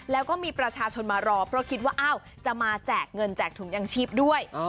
แล้วก็มีประชาชนมารอเพราะคิดว่าอ้าวจะมาแจกเงินแจกถุงยางชีพด้วย